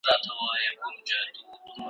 شېبه شېبه تر زلمیتوبه خو چي نه تېرېدای `